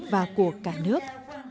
và của cả nước